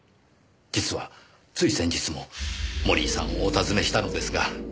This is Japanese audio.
実はつい先日も森井さんをお訪ねしたのですが。